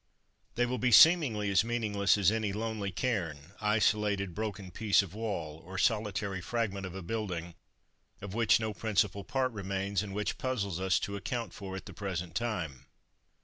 They will be seemingly as meaningless as any lonely cairn, isolated broken piece of wall, or solitary fragment of a building, of which no principal part remains, and which puzzles us to account for at the present time.